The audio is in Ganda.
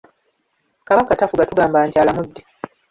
Kabaka tafuga tugamba nti alamudde.